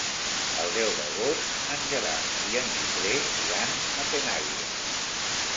El deu d'agost en Gerard i en Guifré iran a Penàguila.